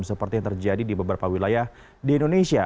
seperti yang terjadi di beberapa wilayah di indonesia